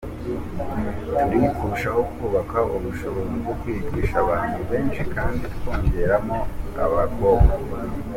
Turi kurushaho kubaka ubushobozi bwo kwigisha abantu benshi kandi twongeramo abakobwa.